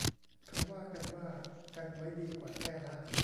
เขาว่ากันว่า กันไว้ดีกว่าแก้นะ